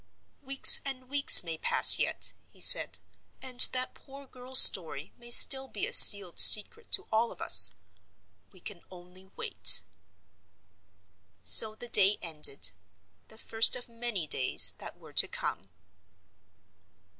"Weeks and weeks may pass yet," he said, "and that poor girl's story may still be a sealed secret to all of us. We can only wait." So the day ended—the first of many days that were to come.